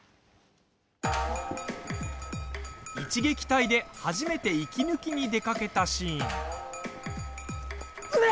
一撃隊で初めて息抜きに出かけたシーン。